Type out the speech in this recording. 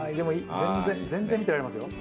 全然全然見てられますよ。